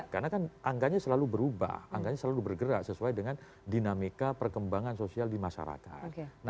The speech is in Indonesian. karena kan angkanya selalu berubah selalu bergerak sesuai dengan dinamika perkembangan sosial di masyarakat